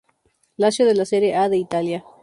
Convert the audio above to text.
Lazio de la Serie A de Italia.